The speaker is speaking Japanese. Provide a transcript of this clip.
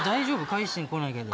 返しに来ないけど。